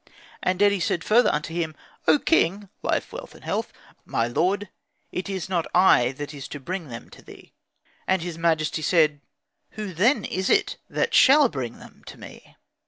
And Dedi said further unto him, "O king (life, wealth, and health), my lord, it is not I that is to bring them to thee." And his m'jesty said, "Who, then, is it that shall bring them to me?"